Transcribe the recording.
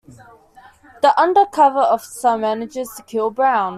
The undercover officer manages to kill Brown.